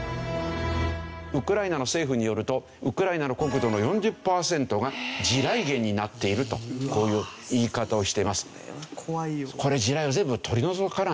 ウクライナの政府によるとウクライナの国土の４０パーセントが地雷原になっているとこういう言い方をしています。